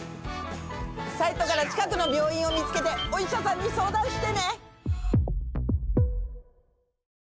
サイトから近くの病院を見つけてお医者さんに相談してね！